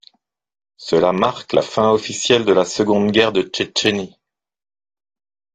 Cela marque la fin officielle de la Seconde guerre de Tchétchénie.